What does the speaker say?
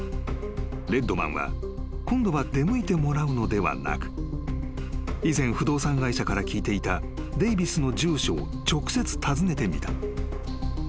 ［レッドマンは今度は出向いてもらうのではなく以前不動産会社から聞いていたデイヴィスの住所を直接訪ねてみた］